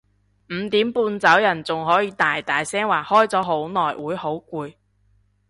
五點半走人仲可以大大聲話開咗好耐會好攰